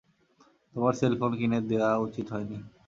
তোমায় cell phone কিনে দেয়া উচিৎ হয়নি।